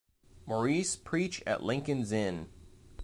Maurice preach at Lincoln's Inn.